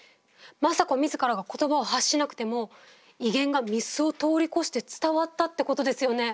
政子自らが言葉を発しなくても威厳が御簾を通り越して伝わったってことですよね。